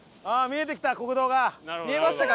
見えましたか？